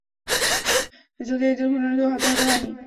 যদিও এই দুর্ঘটনায় কেউ হতাহত হয়নি।